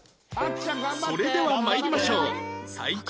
それでは参りましょう